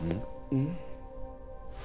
うん？